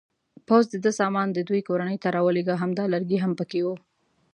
پوځ د ده سامان د دوی کورنۍ ته راولېږه، همدا لرګی هم پکې و.